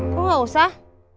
kok nggak usah